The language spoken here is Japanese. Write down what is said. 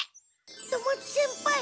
富松先輩